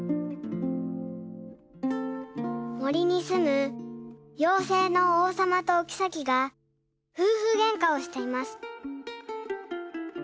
もりにすむようせいのおうさまとおきさきがふうふげんかをしています。